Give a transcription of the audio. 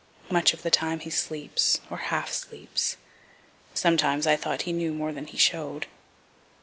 Much of the time he sleeps, or half sleeps. (Sometimes I thought he knew more than he show'd.)